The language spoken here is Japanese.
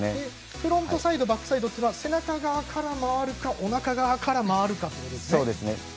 フロントサイド、バックサイドは背中側から回るかおなか側から回るかですね。